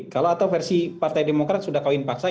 kalau atau versi partai demokrat sudah kawin paksa